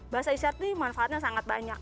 bahasa isyat ini manfaatnya sangat banyak